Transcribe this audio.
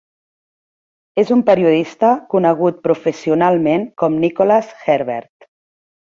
És un periodista conegut professionalment com Nicholas Herbert.